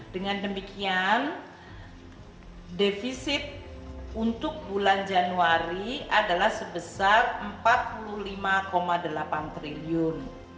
dengan demikian defisit untuk bulan januari adalah sebesar rp empat puluh lima delapan triliun